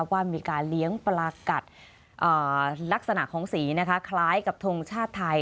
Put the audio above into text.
ว่ามีการเลี้ยงปลากัดลักษณะของสีคล้ายกับทงชาติไทย